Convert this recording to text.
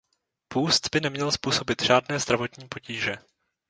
Půst by neměl způsobit žádné zdravotní potíže.